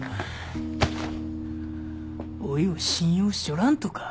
おいを信用しちょらんとか？